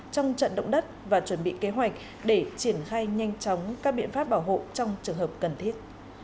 trong trận động đất và chuẩn bị kế hoạch để triển khai nhanh chóng các biện pháp bảo hộ trong trường hợp cần thiết